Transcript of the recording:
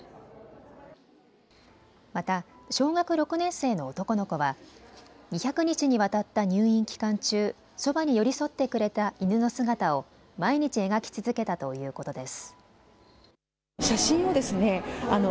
また小学６年生の男の子は２００日にわたった入院期間中、そばに寄り添ってくれた犬の姿を毎日描き続けたということです。